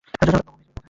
নবম হিজরীর কথা।